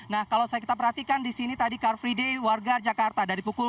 nah kalau saya kita perhatikan disini tadi car free day warga jakarta